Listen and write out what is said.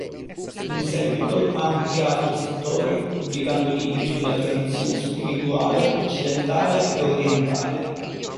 In seguito ha ampliato il settore pubblicando libri sulla tradizione spirituale occidentale e orientale.